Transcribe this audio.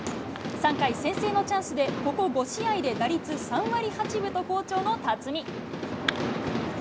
３回、先制のチャンスで、ここ５試合で打率３割８分と好調の辰己。